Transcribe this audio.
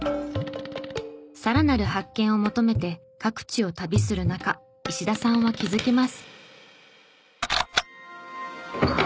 さらなる発見を求めて各地を旅する中石田さんは気づきます。